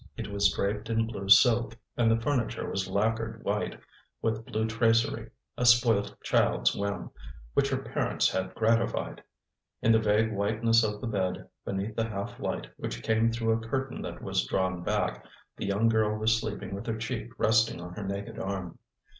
It was draped in blue silk, and the furniture was lacquered white, with blue tracery a spoilt child's whim, which her parents had gratified. In the vague whiteness of the bed, beneath the half light which came through a curtain that was drawn back, the young girl was sleeping with her cheek resting on her naked arm.